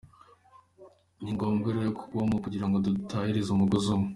Ni ngombwa rero ko bubaho kugirango dutahirize umugozi umwe.”